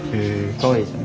かわいいでしょ？